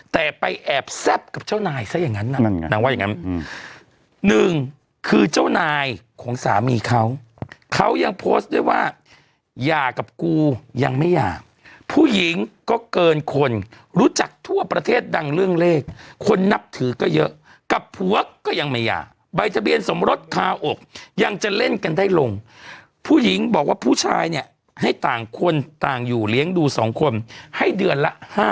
แต่ไปแอบแซ่บกับเจ้านายซะอย่างนั้นน่ะนั่นไงนางว่าอย่างนั้นหนึ่งคือเจ้านายของสามีเขาเขายังโพสต์ด้วยว่าหย่ากับกูยังไม่หย่าผู้หญิงก็เกินคนรู้จักทั่วประเทศดังเรื่องเลขคนนับถือก็เยอะกับผัวก็ยังไม่หย่าใบทะเบียนสมรสคาอกยังจะเล่นกันได้ลงผู้หญิงบอกว่าผู้ชายเนี่ยให้ต่างคนต่างอยู่เลี้ยงดูสองคนให้เดือนละ๕๐